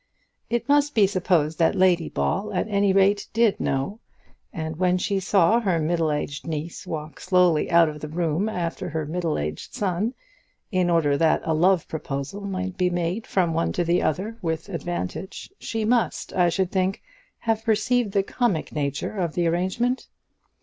It must be supposed that Lady Ball at any rate did know, and when she saw her middle aged niece walk slowly out of the room after her middle aged son, in order that a love proposal might be made from one to the other with advantage, she must, I should think, have perceived the comic nature of the arrangement.